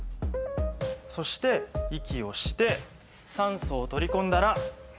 そして息をして酸素を取り込んだら。